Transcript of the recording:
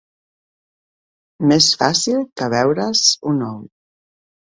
Més fàcil que beure's un ou.